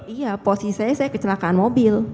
iya posisinya saya kecelakaan mobil